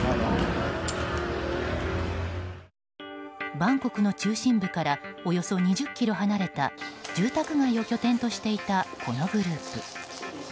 バンコクの中心部からおよそ２０ｋｍ離れた住宅街を拠点としていたこのグループ。